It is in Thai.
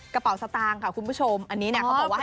คุณผู้ชมอันนี้เนี่ยเขาบอกว่า